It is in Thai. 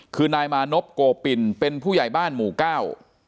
คือนายมานพโกปินเป็นผู้ใหญ่บ้านหมู่เก้า